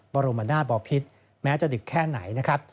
บรมนาศบอพิษแม้จะดึกแค่ไหนนะครับ